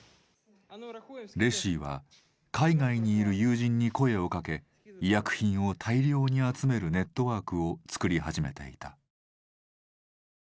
レシィは海外にいる友人に声をかけ医薬品を大量に集めるネットワークを作り始めていた。